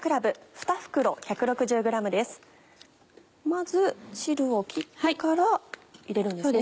まず汁を切ってから入れるんですね。